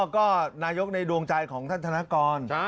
ก็นายกในดวงใจของท่านธนกร